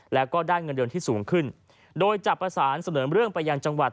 แล้วก็ได้เงินเดือนที่สูงขึ้นโดยจะประสานเสนอเรื่องไปยังจังหวัด